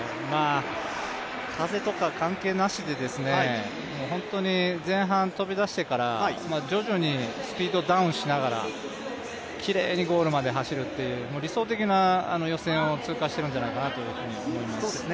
風とか関係なしで、本当に前半飛び出してから徐々にスピードダウンしながら、きれいにゴールまで走るという、理想的な予選を通過しているんじゃないかというふうに思います。